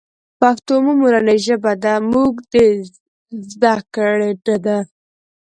پښتو مو مورنۍ ژبه ده مونږ ذده کــــــــړې نۀ ده